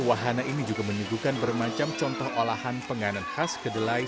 wahana ini juga menyuguhkan bermacam contoh olahan penganan khas kedelai